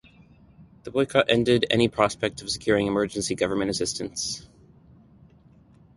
The boycott ended any prospect of securing emergency government assistance.